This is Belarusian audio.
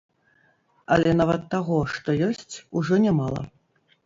Але нават таго, што ёсць, ужо нямала.